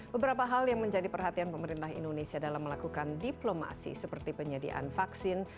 beberapa hal yang menjadi perhatian pemerintah indonesia dalam melakukan diplomasi seperti penyediaan vaksin